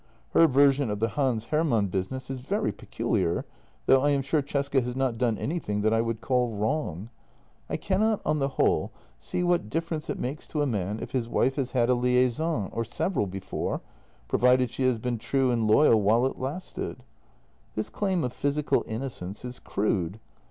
Her version of the Hans Hermann business is very peculiar, though I am sure Cesca has not done anything that I would call wrong. I cannot — on the whole — see what difference it makes to a man if his wife has had a liaison — or several — before, provided she had been true and loyal while it lasted. This claim of physical innocence is crude.